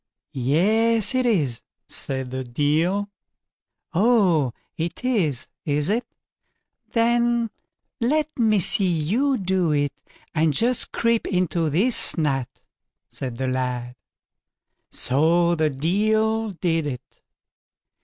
"Yes it is", said the Deil. "Oh! it is, is it? then let me see you do it, and just creep into this nut", said the lad. So the Deil did it.